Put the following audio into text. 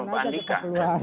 oh pak andika